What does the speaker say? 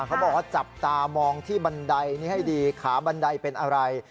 เขาบอกว่าจับตามองที่บันไดนี้ให้ดีขาบันไดเป็นอะไร